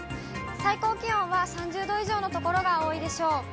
最高気温は３０度以上の所が多いでしょう。